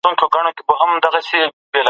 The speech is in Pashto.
جرابې باید هره ورځ پریمنځل شي.